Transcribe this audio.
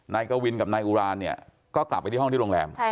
นายกวินกับนายอุรานเนี่ยก็กลับไปที่ห้องที่โรงแรม